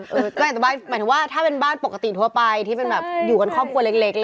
หมายถึงว่าถ้าเป็นบ้านปกติทั่วไปที่เป็นแบบอยู่กันครอบครัวเล็ก